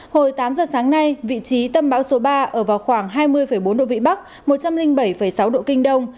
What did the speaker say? hồi tám giờ sáng nay vị trí tâm bão số ba ở vào khoảng hai mươi bốn độ vĩ bắc một trăm linh bảy sáu độ kinh đông